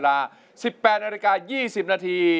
รายการต่อไปนี้เป็นรายการทั่วไปสามารถรับชมได้ทุกวัย